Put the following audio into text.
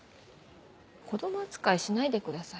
子供扱いしないでください。